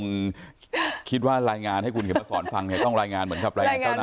คิดว่ารายงานให้คุณเข็มมาสอนฟังเนี่ยต้องรายงานเหมือนกับรายงานเท่านั้น